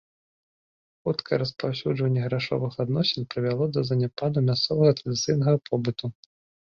Хуткае распаўсюджванне грашовых адносін прывяло да заняпаду мясцовага традыцыйнага побыту.